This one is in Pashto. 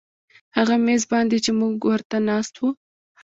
هغه میز باندې چې موږ ورته ناست وو